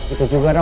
itu juga tau